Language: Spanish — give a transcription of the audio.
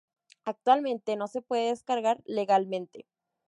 Actualmente no se puede descargar "legalmente".